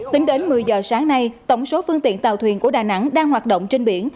tính đến một mươi giờ sáng nay tổng số phương tiện tàu thuyền của đà nẵng đang hoạt động trên biển